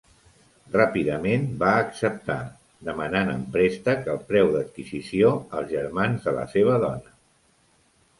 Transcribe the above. Ràpidament va acceptar, demanant en préstec el preu d'adquisició als germans de la seva dona.